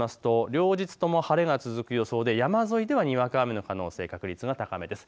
両日とも晴れが続く予想で山沿いではにわか雨の可能性、確率が高めです。